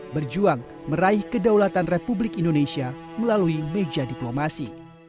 berjuang meraih kedaulatan republik indonesia melalui meja diplomasi